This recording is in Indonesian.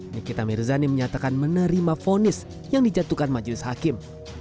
nikita mirzani menyatakan menerima fonis yang dijatuhkan majelis hakim